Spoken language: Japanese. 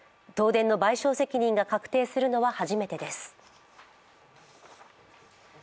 東電の賠償責任が確定するのは初めてです。